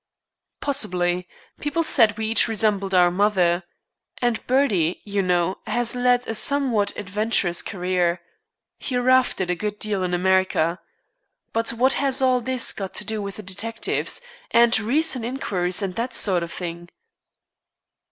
"Possibly. People said we each resembled our mother. And Bertie, you know, has led a somewhat adventurous career. He roughed it a good deal in America. But what has all this got to do with detectives, and recent inquiries, and that sort of thing?"